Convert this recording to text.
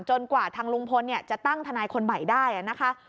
กว่าทางลุงพลจะตั้งทนายคนใหม่ได้นะคะ